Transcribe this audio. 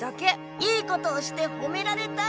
良いことをしてほめられたい。